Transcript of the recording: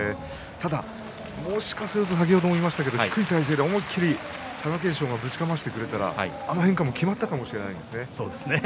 ただ、もしかしたら低い体勢で思いっきり貴景勝がぶちかましてくれたらあの変化もきまったかもしれません。